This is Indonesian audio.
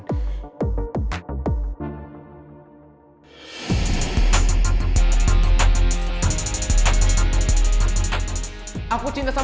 tante nawang yang keliatan